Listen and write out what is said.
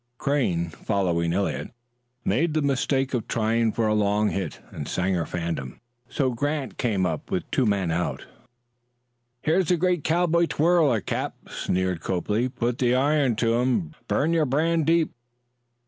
Crane, following Eliot, made the mistake of trying for a long hit, and Sanger fanned him. Grant came up with two men out. "Here's the great cowboy twirler, cap," sneered Copley. "Put the iron to him. Burn your brand deep."